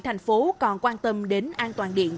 thành phố còn quan tâm đến an toàn điện